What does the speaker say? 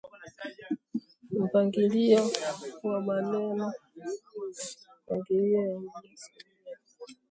mpangilio wa maneno, sajili za lugha kutegemea mazingira mbalimbali